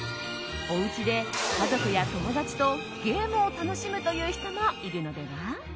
お家で家族や友達とゲームを楽しむという人もいるのでは？